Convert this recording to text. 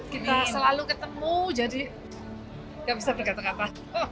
kita selalu ketemu jadi gak bisa berkata kata